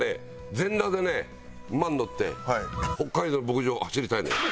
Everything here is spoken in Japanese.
全裸でね馬に乗って北海道の牧場走りたいのよ。